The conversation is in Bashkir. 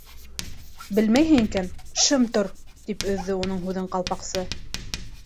—Белмәйһең икән —шым тор, —тип өҙҙө уның һүҙен Ҡалпаҡсы.